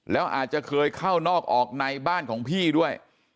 แล้วอาจจะเคยเข้านอกออกในบ้านของพี่ด้วย